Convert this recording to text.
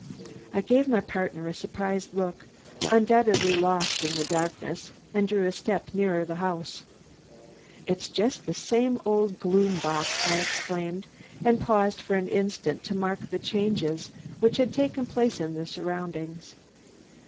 I gave my partner a surprised look, undoubtedly lost in the darkness, and drew a step nearer the house. "It's just the same old gloom box," I exclaimed, and paused for an instant to mark the changes which had taken place in the surroundings.